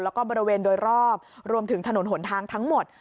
แล้วก็บริเวณโดยรอบรวมถึงถนนหนทางทั้งหมด